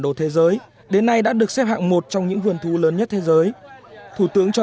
đồ thế giới đến nay đã được xếp hạng một trong những vườn thú lớn nhất thế giới thủ tướng cho